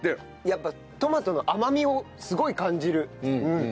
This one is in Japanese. やっぱトマトの甘みをすごい感じる。